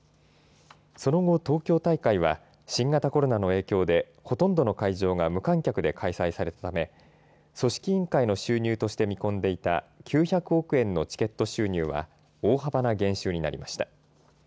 その後、東京大会は新型コロナの影響で、ほとんどの会場が無観客で開催されたため組織委員会の収入として見込んでいた９００億円のチケット収入は大幅な減収になりました。